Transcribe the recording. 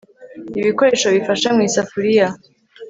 ibikoresho bifasha mu isafuriya